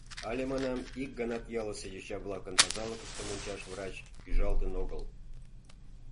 — Але, манам, ик ганат ялысе йоча-влакын тазалыкыштым ончаш врач ӱжалтын огыл.